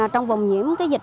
trong vòng nhiễm dịch bệnh